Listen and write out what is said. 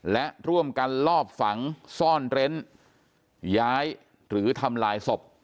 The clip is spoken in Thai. และร่วมกันลอบฝังซ่อนเร้นย้ายหรือทำลายศพ